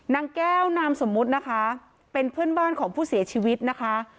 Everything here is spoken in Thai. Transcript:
นางแก้วนามสมมุตินะคะเป็นเพื่อนบ้านของผู้เสียชีวิตนะคะ